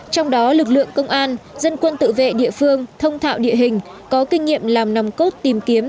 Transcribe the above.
trong đó lực lượng công an dân quân tự vệ địa phương thông thạo địa hình có kinh nghiệm làm nòng cốt tìm kiếm